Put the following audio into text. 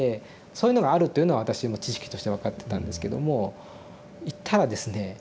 そういうのがあるっていうのは私も知識として分かってたんですけども行ったらですね